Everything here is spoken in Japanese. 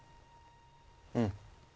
うん